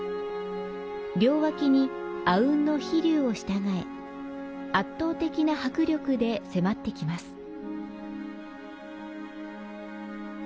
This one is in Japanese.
両脇にあうんの飛龍を従え、圧倒的な迫力で迫ってきます。